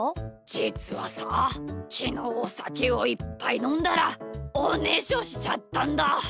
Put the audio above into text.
じつはさきのうおさけをいっぱいのんだらおねしょしちゃったんだ。